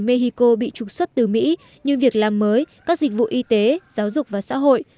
mexico bị trục xuất từ mỹ như việc làm mới các dịch vụ y tế giáo dục và xã hội